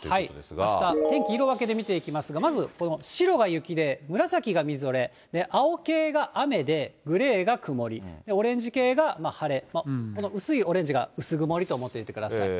あした、天気色分けで見ていきますが、まずこの白が雪で、紫がみぞれ、青系が雨で、グレーが曇り、オレンジ系が晴れ、この薄いオレンジが薄曇りと思っていてください。